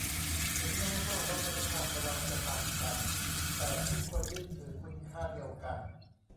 ถึงแม้ว่าวัฒนธรรมเราจะต่างกัน แต่ทุกคนยึดถือคุณค่าเดียวกัน